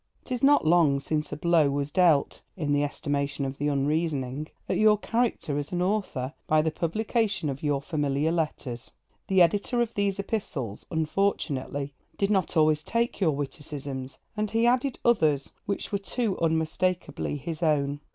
'Tis not long since a blow was dealt (in the estimation of the unreasoning) at your character as an author by the publication of your familiar letters. The editor of these epistles, unfortunately, did not always take your witticisms, and he added others which were too unmistakably his own.